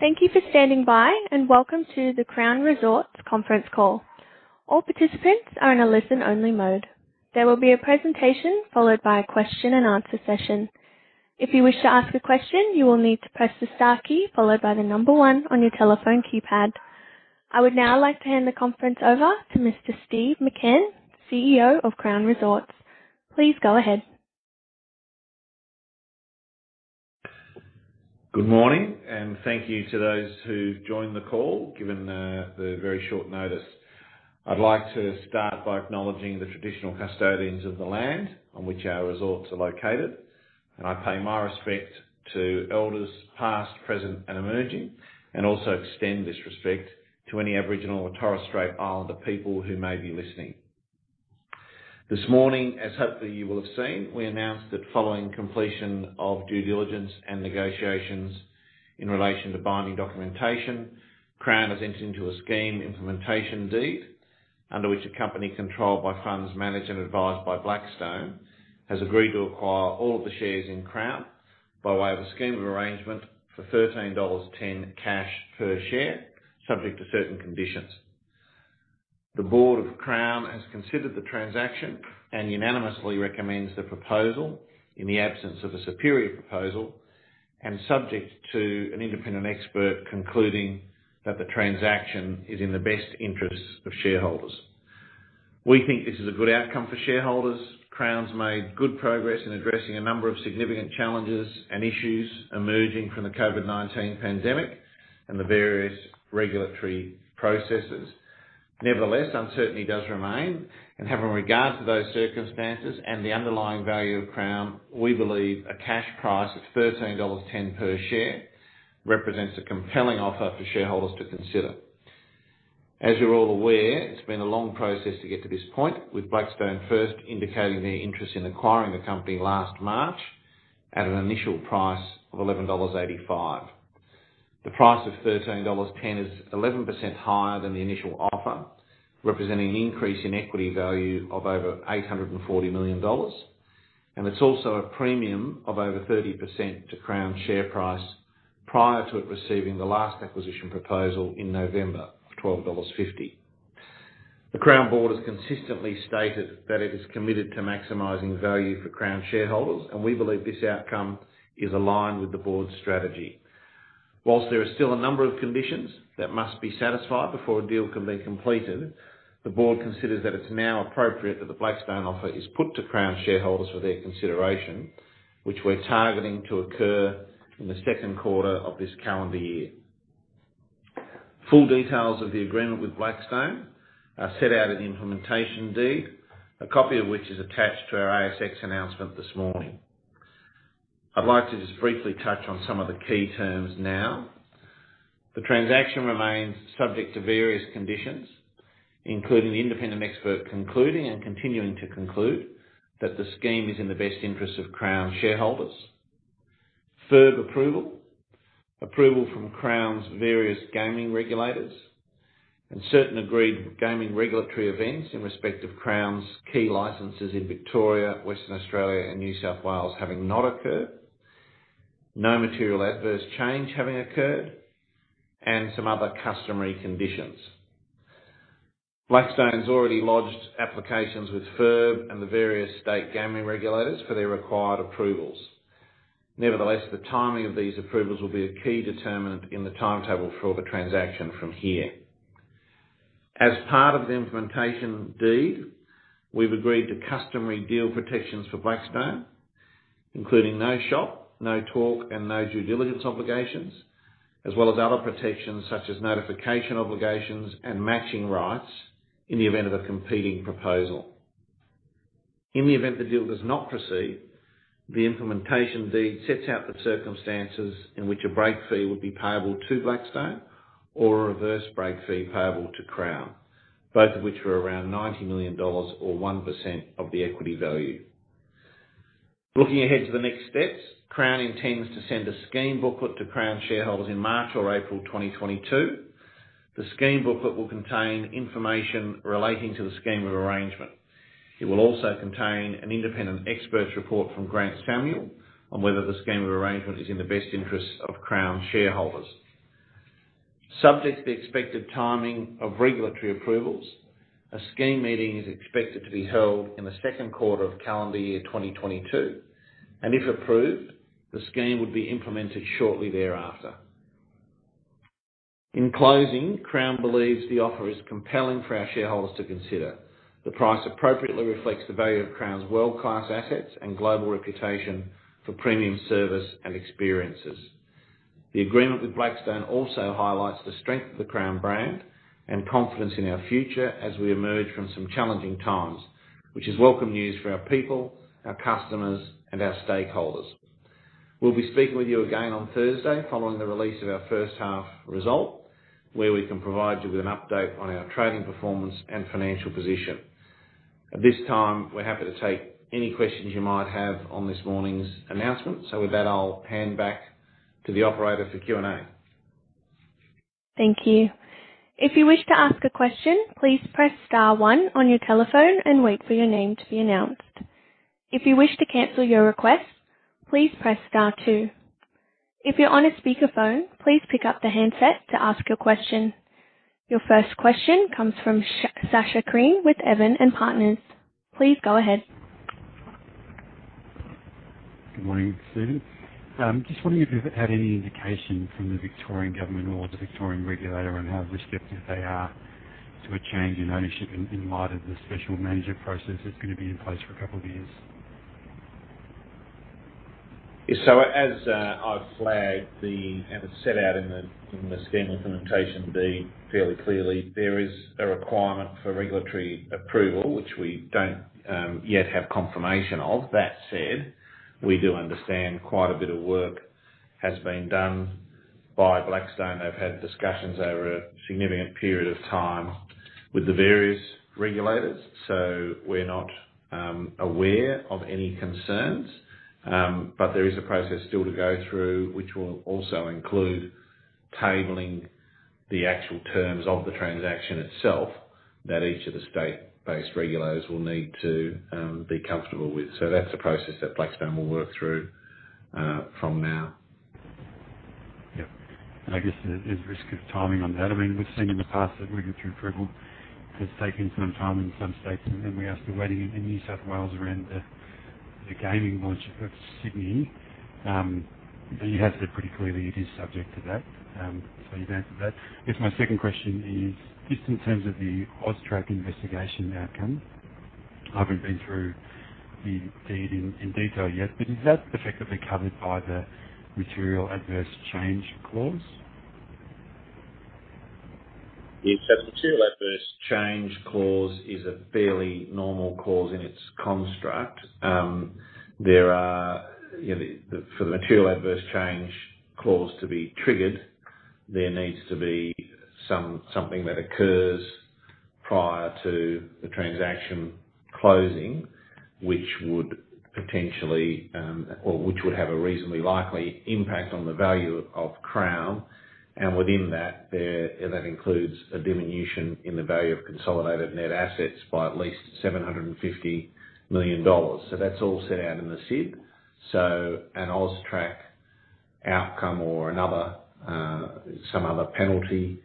Thank you for standing by, and welcome to the Crown Resorts conference call. All participants are in a listen-only mode. There will be a presentation followed by a question and answer session. If you wish to ask a question, you will need to press the star key followed by the number one on your telephone keypad. I would now like to hand the conference over to Mr. Steve McCann, CEO of Crown Resorts. Please go ahead. Good morning, and thank you to those who've joined the call, given the very short notice. I'd like to start by acknowledging the traditional custodians of the land on which our resorts are located. I pay my respect to elders past, present, and emerging, and also extend this respect to any Aboriginal or Torres Strait Islander people who may be listening. This morning, as hopefully you will have seen, we announced that following completion of due diligence and negotiations in relation to binding documentation, Crown has entered into a scheme implementation deed under which a company controlled by funds managed and advised by Blackstone has agreed to acquire all of the shares in Crown by way of a scheme of arrangement for AUD 13.10 cash per share, subject to certain conditions. The board of Crown has considered the transaction and unanimously recommends the proposal in the absence of a superior proposal and subject to an independent expert concluding that the transaction is in the best interest of shareholders. We think this is a good outcome for shareholders. Crown's made good progress in addressing a number of significant challenges and issues emerging from the COVID-19 pandemic and the various regulatory processes. Nevertheless, uncertainty does remain, and having regard to those circumstances and the underlying value of Crown, we believe a cash price of AUD 13.10 per share represents a compelling offer for shareholders to consider. As you're all aware, it's been a long process to get to this point, with Blackstone first indicating their interest in acquiring the company last March at an initial price of 11.85 dollars. The price of 13.10 dollars is 11% higher than the initial offer, representing an increase in equity value of over 840 million dollars, and it's also a premium of over 30% to Crown's share price prior to it receiving the last acquisition proposal in November of 12.50 dollars. The Crown board has consistently stated that it is committed to maximizing value for Crown shareholders, and we believe this outcome is aligned with the board's strategy. While there are still a number of conditions that must be satisfied before a deal can be completed, the board considers that it's now appropriate that the Blackstone offer is put to Crown shareholders for their consideration, which we're targeting to occur in the second quarter of this calendar year. Full details of the agreement with Blackstone are set out in the implementation deed, a copy of which is attached to our ASX announcement this morning. I'd like to just briefly touch on some of the key terms now. The transaction remains subject to various conditions, including the independent expert concluding and continuing to conclude that the scheme is in the best interest of Crown shareholders. FIRB approval. Approval from Crown's various gaming regulators. Certain agreed gaming regulatory events in respect of Crown's key licenses in Victoria, Western Australia and New South Wales having not occurred. No material adverse change having occurred, and some other customary conditions. Blackstone's already lodged applications with FIRB and the various state gaming regulators for their required approvals. Nevertheless, the timing of these approvals will be a key determinant in the timetable for the transaction from here. As part of the implementation deed, we've agreed to customary deal protections for Blackstone, including no shop, no talk, and no due diligence obligations, as well as other protections such as notification obligations and matching rights in the event of a competing proposal. In the event the deal does not proceed, the implementation deed sets out the circumstances in which a break fee would be payable to Blackstone or a reverse break fee payable to Crown, both of which are around 90 million dollars or 1% of the equity value. Looking ahead to the next steps, Crown intends to send a scheme booklet to Crown shareholders in March or April 2022. The scheme booklet will contain information relating to the scheme of arrangement. It will also contain an independent expert report from Grant Samuel on whether the scheme of arrangement is in the best interest of Crown shareholders. Subject to the expected timing of regulatory approvals, a scheme meeting is expected to be held in the second quarter of calendar year 2022, and if approved, the scheme would be implemented shortly thereafter. In closing, Crown believes the offer is compelling for our shareholders to consider. The price appropriately reflects the value of Crown's world-class assets and global reputation for premium service and experiences. The agreement with Blackstone also highlights the strength of the Crown brand and confidence in our future as we emerge from some challenging times, which is welcome news for our people, our customers, and our stakeholders. We'll be speaking with you again on Thursday following the release of our first half result, where we can provide you with an update on our trading performance and financial position. At this time, we're happy to take any questions you might have on this morning's announcement. With that, I'll hand back to the operator for Q&A. Thank you. If you wish to ask a question, please press star one on your telephone and wait for your name to be announced. If you wish to cancel your request, please press star two. If you're on a speakerphone, please pick up the handset to ask your question. Your first question comes from Sacha Krien with Evans and Partners. Please go ahead. Good morning, Steven. Just wondering if you've had any indication from the Victorian Government or the Victorian regulator on how receptive they are to a change in ownership in light of the special manager process that's gonna be in place for a couple of years. Yeah. As I've flagged and it's set out in the scheme implementation to be fairly clearly, there is a requirement for regulatory approval, which we don't yet have confirmation of. That said, we do understand quite a bit of work has been done by Blackstone. They've had discussions over a significant period of time with the various regulators, so we're not aware of any concerns. There is a process still to go through, which will also include tabling the actual terms of the transaction itself that each of the state-based regulators will need to be comfortable with. That's a process that Blackstone will work through from now. Yeah. I guess there's risk of timing on that. I mean, we've seen in the past that regulatory approval has taken some time in some states, and then we're still waiting in New South Wales around the gaming launch of Sydney. But you have said pretty clearly it is subject to that, so you've answered that. I guess my second question is, just in terms of the AUSTRAC investigation outcome, I haven't been through the deed in detail yet, but is that effectively covered by the material adverse change clause? Yes. That material adverse change clause is a fairly normal clause in its construct. There are for the material adverse change clause to be triggered, there needs to be something that occurs prior to the transaction closing, which would potentially or which would have a reasonably likely impact on the value of Crown, and within that includes a diminution in the value of consolidated net assets by at least 750 million dollars. That's all set out in the SID. An AUSTRAC outcome or another some other penalty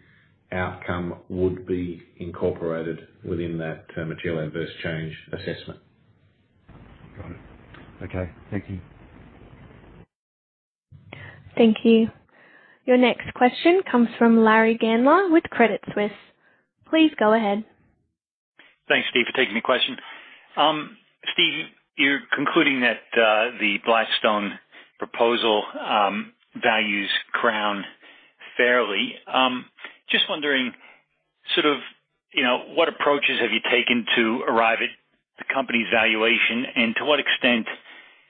outcome would be incorporated within that material adverse change assessment. Got it. Okay. Thank you. Thank you. Your next question comes from Larry Gandler with Credit Suisse. Please go ahead. Thanks, Steve, for taking the question. Steve, you're concluding that the Blackstone proposal values Crown fairly. Just wondering, sort of, you know, what approaches have you taken to arrive at the company's valuation, and to what extent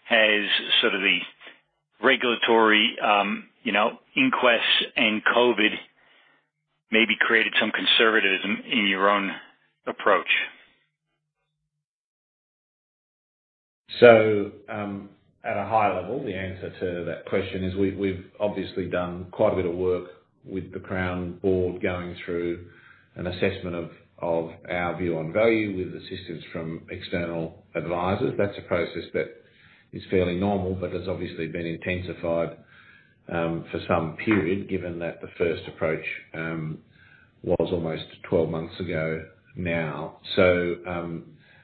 has sort of the regulatory, you know, inquests and COVID maybe created some conservatism in your own approach? At a high level, the answer to that question is we've obviously done quite a bit of work with the Crown board going through an assessment of our view on value with assistance from external advisors. That's a process that is fairly normal but has obviously been intensified for some period, given that the first approach was almost 12 months ago now.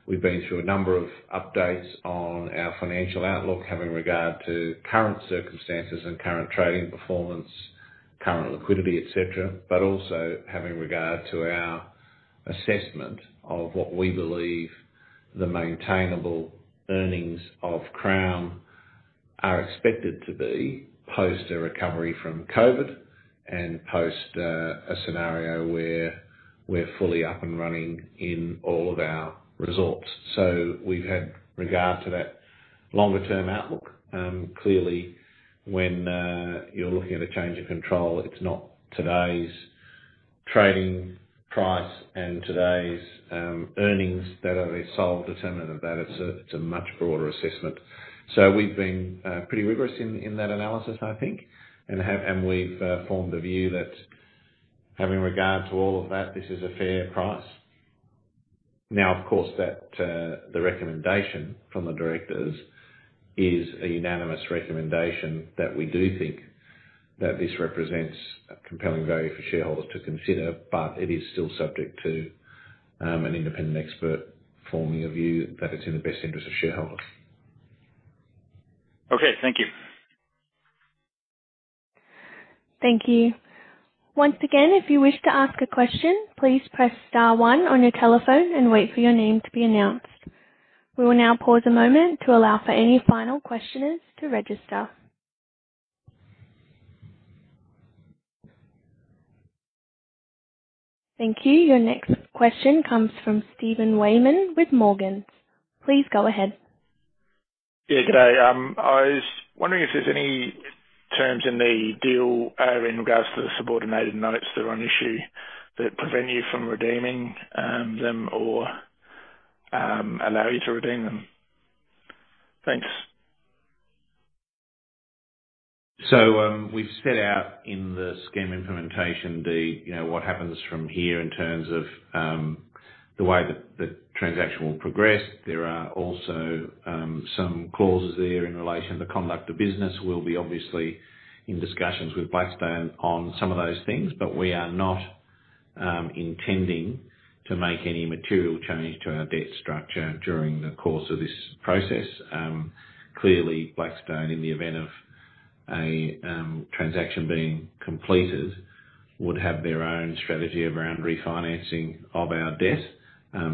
We've been through a number of updates on our financial outlook, having regard to current circumstances and current trading performance, current liquidity, et cetera. But also having regard to our assessment of what we believe the maintainable earnings of Crown are expected to be post a recovery from COVID and post a scenario where we're fully up and running in all of our resorts. We've had regard to that longer term outlook. Clearly when you're looking at a change of control, it's not today's trading price and today's earnings that are the sole determinant of that. It's a much broader assessment. We've been pretty rigorous in that analysis, I think, and we've formed a view that having regard to all of that, this is a fair price. Now, of course, the recommendation from the directors is a unanimous recommendation that we do think that this represents a compelling value for shareholders to consider, but it is still subject to an independent expert forming a view that it's in the best interest of shareholders. Okay. Thank you. Thank you. Once again, if you wish to ask a question, please press star one on your telephone and wait for your name to be announced. We will now pause a moment to allow for any final questioners to register. Thank you. Your next question comes from Steven Weyman with Morgans. Please go ahead. Yeah, good day. I was wondering if there's any terms in the deal, in regards to the subordinated notes that are on issue that prevent you from redeeming them or allow you to redeem them. Thanks. We've set out in the scheme implementation, you know, what happens from here in terms of the way that the transaction will progress. There are also some clauses there in relation to conduct of business. We'll be obviously in discussions with Blackstone on some of those things, but we are not intending to make any material change to our debt structure during the course of this process. Clearly, Blackstone, in the event of a transaction being completed, would have their own strategy around refinancing of our debt.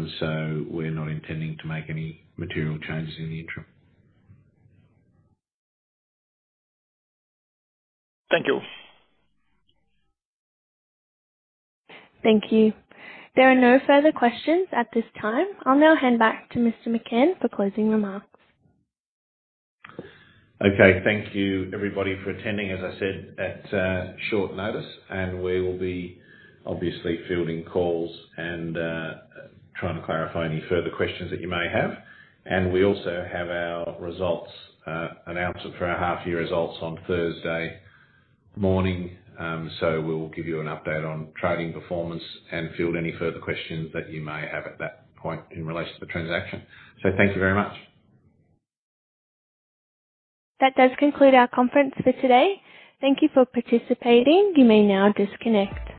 We're not intending to make any material changes in the interim. Thank you. Thank you. There are no further questions at this time. I'll now hand back to Mr. Steve McCann for closing remarks. Okay. Thank you, everybody, for attending, as I said, at short notice. We will be obviously fielding calls and trying to clarify any further questions that you may have. We also have our results announcement for our half year results on Thursday morning. We'll give you an update on trading performance and field any further questions that you may have at that point in relation to the transaction. Thank you very much. That does conclude our conference for today. Thank you for participating. You may now disconnect.